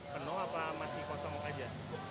penuh apa masih kosong aja